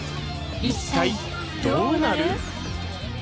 一体どうなる？